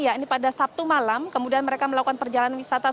ya ini pada sabtu malam kemudian mereka melakukan perjalanan wisata